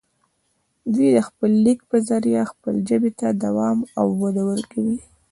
دوي دَ خپل ليک پۀ زريعه خپلې ژبې ته دوام او وده ورکوي